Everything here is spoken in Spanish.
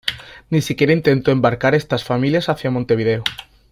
Ni siquiera intentó embarcar estas familias hacia Montevideo.